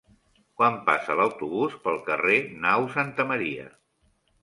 Quan passa l'autobús pel carrer Nau Santa Maria?